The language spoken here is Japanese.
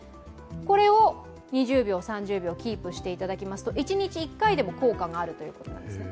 これを２０秒、３０秒キープしていただきますと一日１回でも効果があるということなんですね。